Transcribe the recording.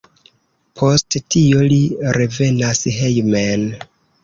Post tio li revenas hejmen.